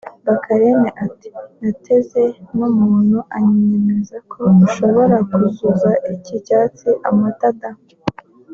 Bakarne iti “Nateze n'umuntu anyemeza ko ushobora kuzuza iki cyansi amata da